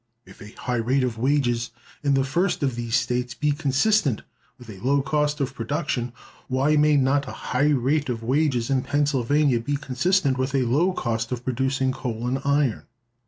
If a high rate of wages in the first of these States be consistent with a low cost of production, why may not a high rate of wages in Pennsylvania be consistent with a low cost of producing coal and iron?